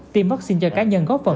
tiêm vaccine cho cá nhân góp phần